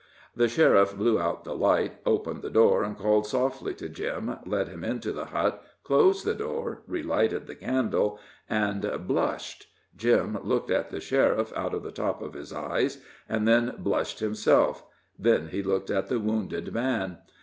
The sheriff blew out the light, opened the door, called softly to Jim, led him into the hut, closed the door, relighted the candle and blushed. Jim looked at the sheriff out of the top of his eyes, and then blushed himself then he looked at the wounded man.